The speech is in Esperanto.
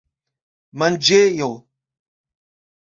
manĝejo